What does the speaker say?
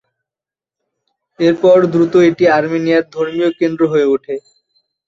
এরপর দ্রুত এটি আর্মেনিয়ার ধর্মীয় কেন্দ্র হয়ে ওঠে।